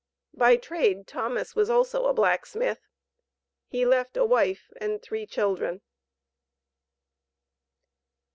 By trade Thomas was also a blacksmith. He left a wife and three children.